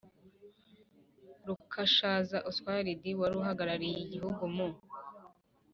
rukashaza oswalidi wari uhagarariye igihugu mu